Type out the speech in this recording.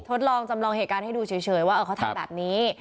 ทดลองจำลองเหตุการณ์ให้ดูเฉยว่าเขาทำแบบนี้